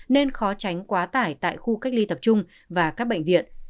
nên khó tránh quá tải tại khu cách ly tập trung và các bệnh viện